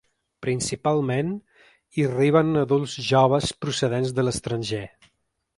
Principalment, hi arriben adults joves procedents de l’estranger.